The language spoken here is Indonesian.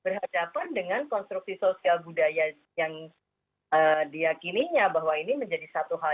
steal st audience or even a monstrosity social gudaya yang diakininya bahwa ini menjadi satu hal